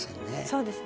そうです